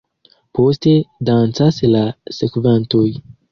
Poste dancas la sekvantoj.